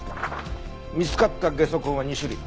見つかったゲソ痕は２種類。